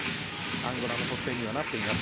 アンゴラの得点にはなっています。